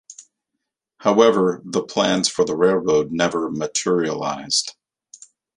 However, the plans for the railroad never materialized.